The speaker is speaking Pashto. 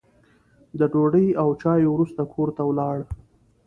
د ډوډۍ او چایو وروسته کور ته ولاړ.